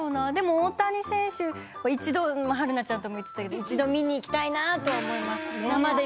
大谷選手、一度春菜ちゃんも言っていたけど見に行きたいなと思います。